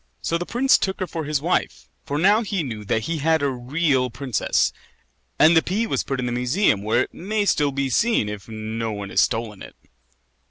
So the prince took her for his wife, for now he knew that he had a real princess; and the pea was put in the museum, where it may still be seen, if no one has stolen it.